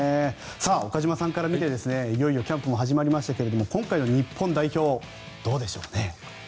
岡島さんから見て、いよいよキャンプも始まりましたが今回の日本代表どうでしょうね。